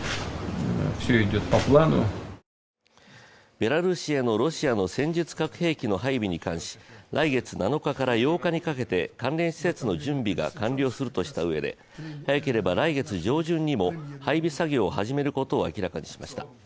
ベラルーシへのロシアの戦術核兵器の配備に関し来月７日から８日にかけて関連施設の準備が完了するとしたうえで早ければ来月上旬にも配備作業を始めることを明らかにしました。